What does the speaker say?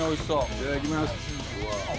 いただきます。